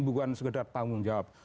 bukan sekedar tanggung jawab